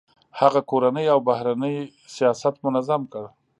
هغه کورنی او بهرنی سیاست منظم کړ.